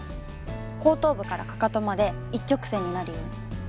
後頭部からかかとまで一直線になるように。